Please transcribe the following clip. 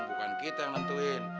bukan kita yang nentuin